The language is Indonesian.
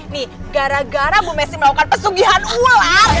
nih gara gara bu messi melakukan pesugihan ular